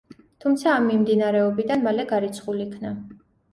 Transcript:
თუმცა ამ მიმდინარეობიდან მალე გარიცხულ იქნა.